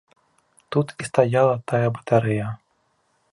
Тут і стаяла тая батарэя.